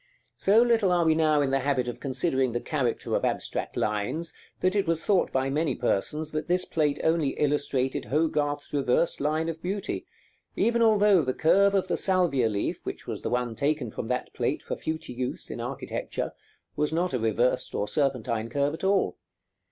43, 79), so little are we now in the habit of considering the character of abstract lines, that it was thought by many persons that this plate only illustrated Hogarth's reversed line of beauty, even although the curve of the salvia leaf, which was the one taken from that plate for future use, in architecture, was not a reversed or serpentine curve at all.